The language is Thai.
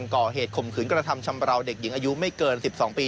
ก่อเหตุคมคืนกรรภัยชำระเด็กหญิงอายุไม่เกิน๑๒ปี